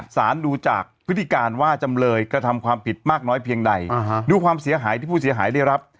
สารดูจากพฤติการว่าจำเลยกระทำความผิดมากน้อยเพียงใดดูความเสียหายที่ผู้เสียหายได้รับ